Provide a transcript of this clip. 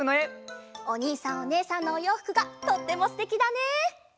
おにいさんおねえさんのおようふくがとってもすてきだね！